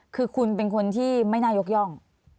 คือคุณเป็นคนที่ไม่น่ายกย่อง